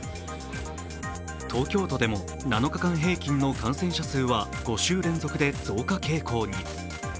東京都でも７日間平均の感染者数は５週連続で増加傾向に。